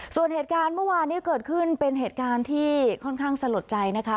ส่วนเหตุการณ์เมื่อวานนี้เกิดขึ้นเป็นเหตุการณ์ที่ค่อนข้างสลดใจนะคะ